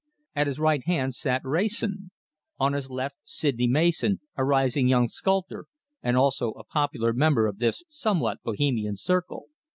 At his right hand sat Wrayson; on his left Sydney Mason, a rising young sculptor, and also a popular member of this somewhat Bohemian circle.